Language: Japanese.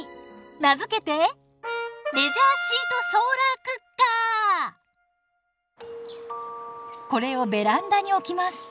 名付けてこれをベランダに置きます。